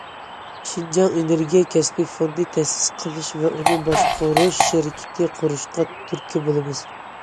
شىنجاڭ ئېنېرگىيە كەسپى فوندى تەسىس قىلىش ۋە ئۇنى باشقۇرۇش شىركىتى قۇرۇشقا تۈرتكە بولىمىز.